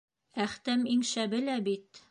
Әхтәм иң шәбе лә бит...